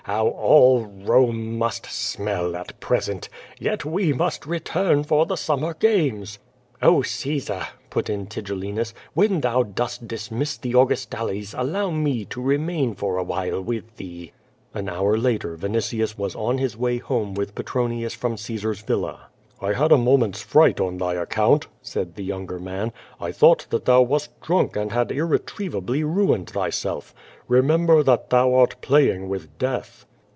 How all Home must smell at present! Yet we must return for the summer ganies." "O, (*aesar," put in Tigellinus, "when thou d<»st dismiss the Augustales albnv nie to remain for a while with thee." An hour later Vinitius was on his way hemic with Petronius from C^aesar's villa. "I had a moment's fri<^dit on thy account," said the younger man, "I thought that thou wast drunk and had irretrievably ruined thyself. Remember that thou art playing with Death."